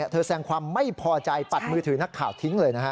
แสดงความไม่พอใจปัดมือถือนักข่าวทิ้งเลยนะฮะ